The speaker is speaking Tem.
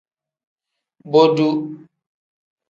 Boduu.